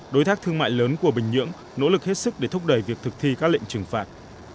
đối tác thương mại lớn của bình nhưỡng nỗ lực hết sức để thúc đẩy việc thực thi các lệnh trừng phạt